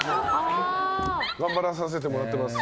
頑張らさせてもらってます。